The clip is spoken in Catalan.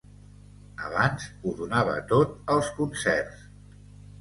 Abans ho donava tot als concerts.